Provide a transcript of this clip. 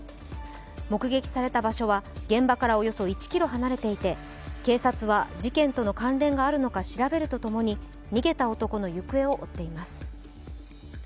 目撃された場所は現場からおよそ１ｋｍ離れていて、警察は事件との関連があるのか調べるとともに、逃げた男の行方を追っています。